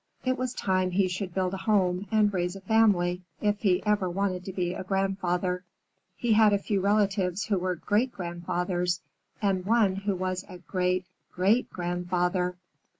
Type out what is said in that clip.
It was time he should build a home and raise a family if he wanted to ever be a grandfather. He had a few relatives who were great grandfathers, and one who was a great great grandfather.